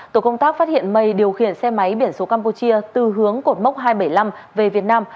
tổ công tác phát hiện mây điều khiển xe máy biển số campuchia từ hướng cột mốc hai trăm bảy mươi năm về việt nam